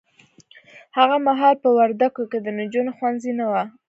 هغه محال په وردګو کې د نجونو ښونځي نه وه